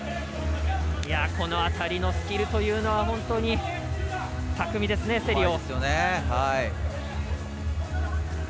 この辺りのスキルというのは本当に巧みですね、セリオ。